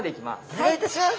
お願いいたします！